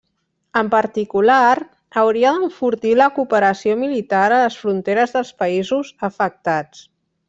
En particular, hauria d'enfortir la cooperació militar a les fronteres dels països afectats.